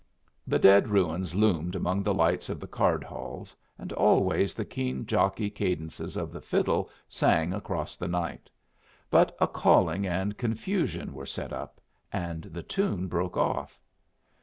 The dead ruins loomed among the lights of the card halls, and always the keen jockey cadences of the fiddle sang across the night. But a calling and confusion were set up, and the tune broke off.